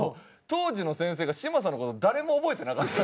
当時の先生が嶋佐の事誰も覚えてなかった。